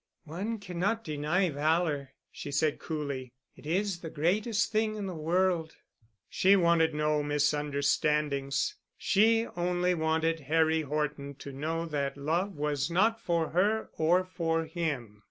"One cannot deny valor," she said coolly. "It is the greatest thing in the world." She wanted no misunderstandings. She only wanted Harry Horton to know that love was not for her or for him.